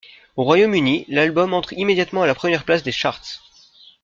Au Royaume-Uni, l'album entre immédiatement à la première place des charts.